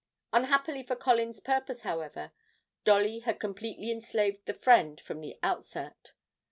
Unhappily for Colin's purpose, however, Dolly had completely enslaved the friend from the outset.